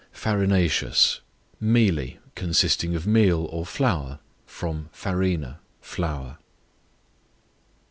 Farinaceous, mealy, consisting of meal or flour; from farina, flour.